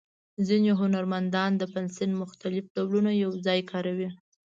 ځینې هنرمندان د پنسل مختلف ډولونه یو ځای کاروي.